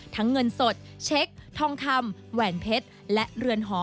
เงินสดเช็คทองคำแหวนเพชรและเรือนหอ